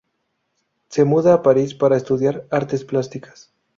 Se muda a París para estudiar artes plásticas.